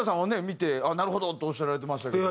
見て「ああなるほど」っておっしゃられてましたけど。